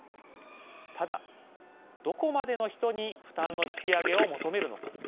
ただ、どこまでの人に負担の引き上げを求めるのか。